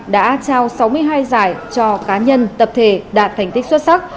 đã trao sáu mươi hai giải cho cá nhân tập thể đạt thành tích xuất sắc